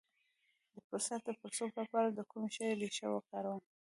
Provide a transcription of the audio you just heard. د پروستات د پړسوب لپاره د کوم شي ریښه وکاروم؟